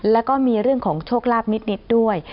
แล้วก็มีเรื่องของโชคลาภนิดด้วย